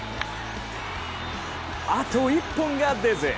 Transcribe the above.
あと１本が出ず。